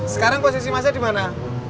sekarang posisi mas nya dimana